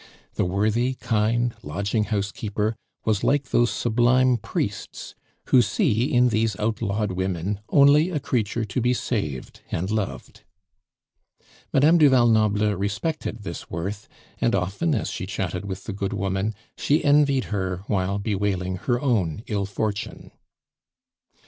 The worthy, kind lodging house keeper was like those sublime priests who see in these outlawed women only a creature to be saved and loved. Madame du Val Noble respected this worth; and often, as she chatted with the good woman, she envied her while bewailing her own ill fortune.